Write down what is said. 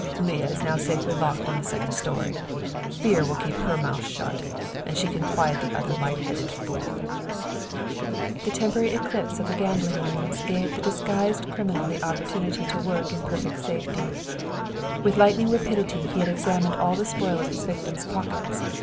"Leah is safely locked in the second story. Fear will keep her mouth shut, and she can quiet the other light headed fool." The temporary eclipse of the gambling rooms gave the disguised criminal an opportunity to work in perfect safety. With lightning rapidity he had examined all the spoil of his victim's pockets.